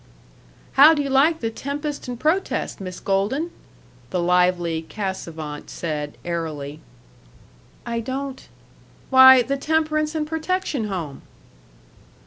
"How do you like the Tempest and Protest, Miss Golden?" the lively Cassavant said, airily. "I don't " "Why! The Temperance and Protection Home."